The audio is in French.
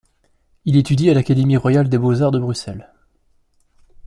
Il étudie à l'Académie royale des beaux-arts de Bruxelles.